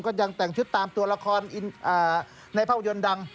ยังแต่งชุดตามตัวละครในภาพยนตร์ดัง